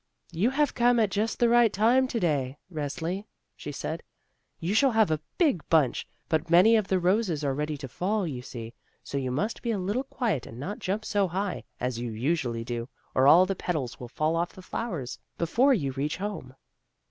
"You have come at just the right time to day, Resli," she said. "You shall have a big bunch, but many of the roses are ready to fall, you see, so you must be a little quiet and not jump so high, as you usually do, or all the petals will fall off the flowers before you reach home."